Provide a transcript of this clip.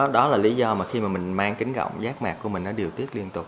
đó là lý do khi mình mang kính gọng giác mạc của mình điều tiết liên tục